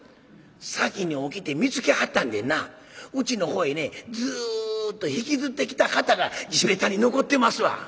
先に起きて見つけはったんでなうちの方へねズッと引きずってきた形が地べたに残ってますわ」。